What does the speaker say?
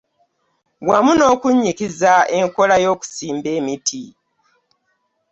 Wamu n'okunnyikiza enkola y'okusimba emiti